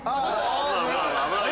危ないよ。